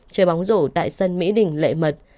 chơi bóng rổ tại sân mỹ đình lệ mật